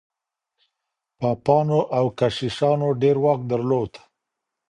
پاپانو او کشیشانو ډېر واک درلود.